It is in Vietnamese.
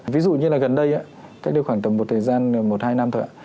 ví dụ như là gần đây cách đây khoảng tầm một thời gian một hai năm thôi ạ